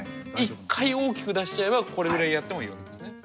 １回大きく出しちゃえばこれぐらいやってもいいわけですね。